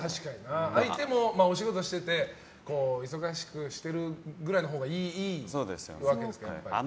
相手もお仕事してて忙しくしてるぐらいのほうがそうです。